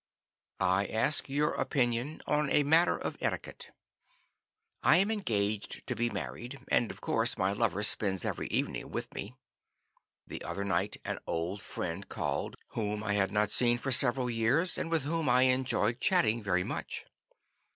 "I want to ask your opinion on a matter of etiquette. I am engaged to be married, and, of course, my lover spends every evening with me. The other night an old friend called whom I had not seen for several years, and with whom I enjoyed chatting very much.